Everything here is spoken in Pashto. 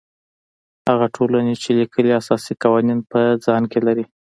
هغه ټولنې چې لیکلي اساسي قوانین په ځان کې لري.